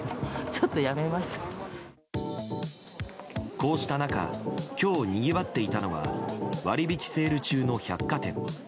こうした中今日にぎわっていたのは割引セール中の百貨店。